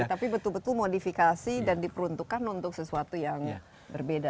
tapi betul betul modifikasi dan diperuntukkan untuk sesuatu yang berbeda